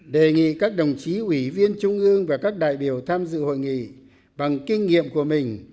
đề nghị các đồng chí ủy viên trung ương và các đại biểu tham dự hội nghị bằng kinh nghiệm của mình